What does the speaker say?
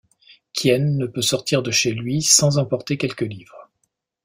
Kien ne peut sortir de chez lui sans emporter quelques livres.